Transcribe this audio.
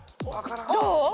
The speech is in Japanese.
どう？